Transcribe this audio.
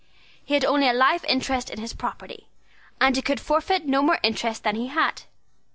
He had only a life interest in his property; and he could forfeit no more interest than he had.